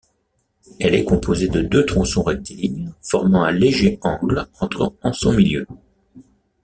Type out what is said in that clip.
Elle est composée de deux tronçons rectilignes formant un léger angle en son milieu.